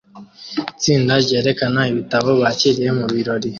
Itsinda ryerekana ibitabo bakiriye mubirori